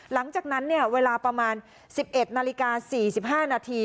หลังจากนั้นเนี่ยเวลาประมาณสิบเอ็ดนาฬิกาสี่สิบห้านาที